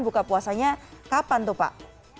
buka puasanya kapan tuh pak